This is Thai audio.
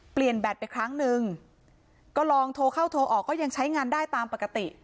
แบตไปครั้งนึงก็ลองโทรเข้าโทรออกก็ยังใช้งานได้ตามปกติ